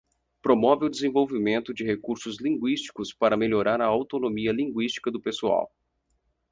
Promove o desenvolvimento de recursos linguísticos para melhorar a autonomia linguística do pessoal.